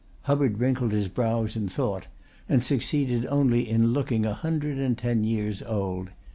Hubbard wrinkled his brows in thought and succeeded only in looking a hundred and ten years old.